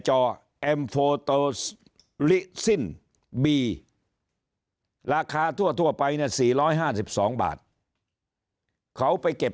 จอแอมโฟโตลิซินบีราคาทั่วไปเนี่ย๔๕๒บาทเขาไปเก็บ